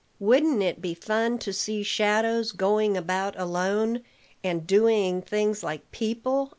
"Wouldn't it be fun to see shadows going about alone, and doing things like people?"